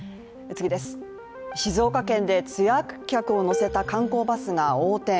静岡県でツアー客を乗せたバスが横転。